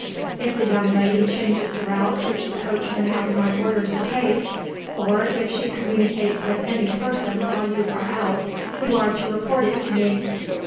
"If the young lady changes the route which the coachman has my orders to take, or if she communicates with any person while your are out, you are to report it to me."